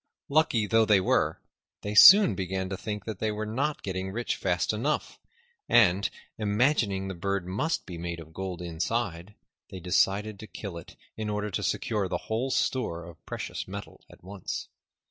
Lucky though they were, they soon began to think they were not getting rich fast enough, and, imagining the bird must be made of gold inside, they decided to kill it in order to secure the whole store of precious metal at once.